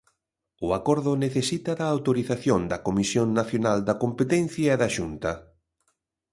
O acordo necesita da autorización da Comisión Nacional da Competencia e da Xunta.